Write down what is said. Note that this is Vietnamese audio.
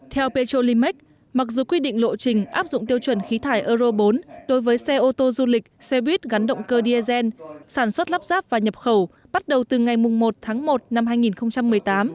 theo petrolimax mặc dù quy định lộ trình áp dụng tiêu chuẩn khí thải euro bốn đối với xe ô tô du lịch xe buýt gắn động cơ diesel sản xuất lắp ráp và nhập khẩu bắt đầu từ ngày một tháng một năm hai nghìn một mươi tám